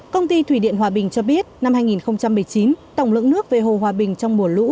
công ty thủy điện hòa bình cho biết năm hai nghìn một mươi chín tổng lượng nước về hồ hòa bình trong mùa lũ